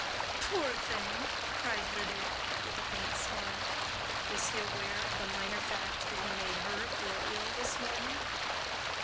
"Poor thing!" cried Lydia, with a faint smile;—was he aware of the minor fact that he made her feel ill this morning?